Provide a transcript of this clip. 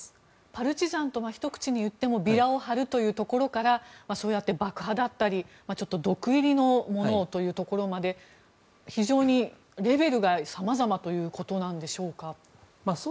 パルチザンとひと口に言ってもビラを貼るというところからそうやって爆破だったり毒入りのものをということまで非常にレベルが様々ということなのでしょうか。